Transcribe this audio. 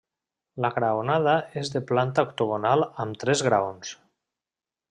La graonada és de planta octogonal amb tres graons.